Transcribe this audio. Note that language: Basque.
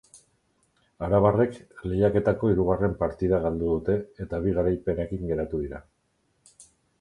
Arabarrek lehiaketako hirugarren partida galdu dute, eta bi garaipenekin geratu dira.